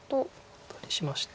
アタリしまして。